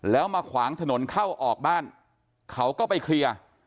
แล้วมาขวางถนนเข้าออกบ้านเขาก็ไปเคลียร์